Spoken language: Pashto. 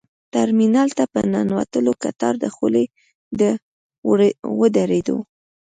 ترمینل ته په ننوتلو کتار دخولي ته ودرېدو.